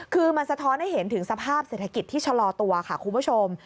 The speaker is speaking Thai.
คือมันสะท้อนให้เห็นถึงสภาพเศรษฐกิจที่ชะลอตัวค่ะคุณผู้ชม